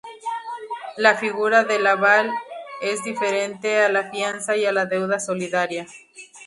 La figura del aval es diferente a la fianza y a la deuda solidaria.